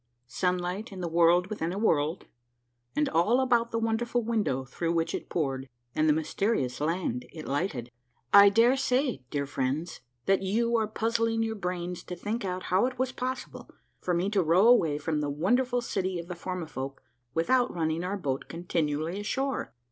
— SUNLIGHT IN THE WORLD WITHIN A WORLD, AND ALL ABOUT THE WONDERFUL WIN DOW THROUGH WHICH IT POURED, AND THE MYSTERIOUS LAND IT LIGHTED. I DARE say, dear friends, that you are puzzling your brains to think out how it was possible for me to row away from the wonderful city of the Formifolk without running our boat con tinually ashore.